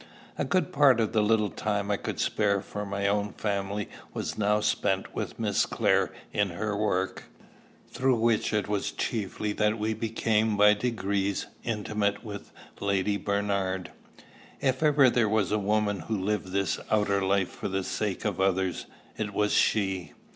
A good part of the little time I could spare from my own family was now spent with Miss Clare in her work, through which it was chiefly that we became by degrees intimate with Lady Bernard. If ever there was a woman who lived this outer life for the sake of others, it was she.